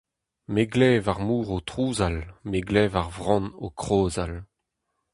Me glev ar mor o trouzal, me glev ar vran o krozal.